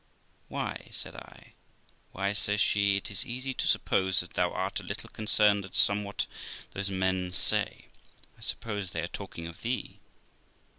'Why?' said I. 'Why', says she, 'it is easy to suppose that thou art a little concerned at somewhat those men say; I suppose they are talking of thee.'